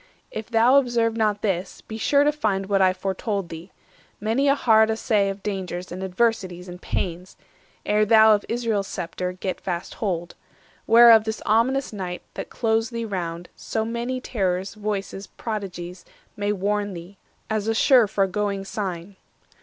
If thou observe not this, be sure to find What I foretold thee—many a hard assay Of dangers, and adversities, and pains, Ere thou of Israel's sceptre get fast hold; 480 Whereof this ominous night that closed thee round, So many terrors, voices, prodigies, May warn thee, as a sure foregoing sign."